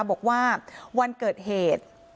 บอกว่าวันเกิดเหตุ